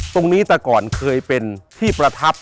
ตรงนี้แต่ก่อนเคยเป็นที่ประทับ